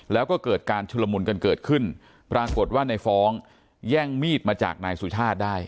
แล้วก็เกิดการชุลมุนกันเกิดขึ้นปรากฏว่าในฟ้องแย่งมีดมาจากนายสุชาติได้